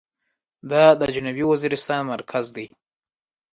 دا د جنوبي وزيرستان مرکز دى.